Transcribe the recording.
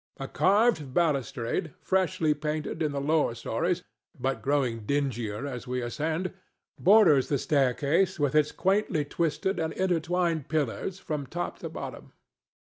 A carved balustrade, freshly painted in the lower stories, but growing dingier as we ascend, borders the staircase with its quaintly twisted and intertwined pillars, from top to bottom.